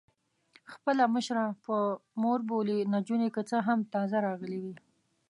خپله مشره په مور بولي، نجونې که څه هم تازه راغلي وې.